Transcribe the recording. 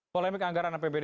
polemik anggaran apbd